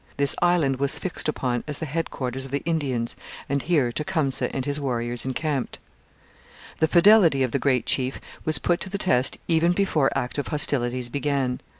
This island was fixed upon as the headquarters of the Indians, and here Tecumseh and his warriors encamped. The fidelity of the great chief was put to the test even before active hostilities began.